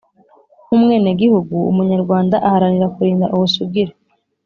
nk' umwenegihugu. umunyarwanda aharanira kurinda ubusugire